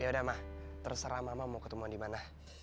ya udah ma terserah mama mau ketemuan dimana